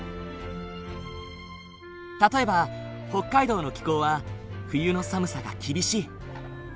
例えば北海道の気候は冬の寒さが厳しい。